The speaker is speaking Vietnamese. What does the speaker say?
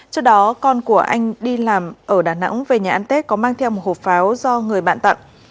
trước đó con của anh đi làm ở đà nẵng về nhà ăn tết có mang theo một hộp pháo do người bạn tặng